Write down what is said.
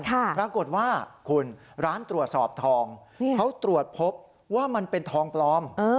ปรากฏว่าคุณร้านตรวจสอบทองเขาตรวจพบว่ามันเป็นทองปลอม